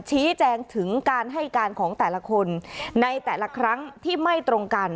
ชี้แจงถึงการให้การของแต่ละคนในแต่ละครั้งที่ไม่ตรงกัน